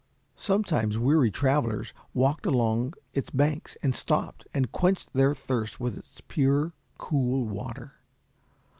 Sometimes weary travellers walked along its banks, and stooped and quenched their thirst with its pure, cool water.